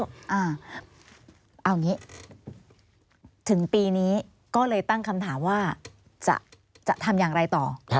เอาอย่างนี้ถึงปีนี้ก็เลยตั้งคำถามว่าจะทำอย่างไรต่อ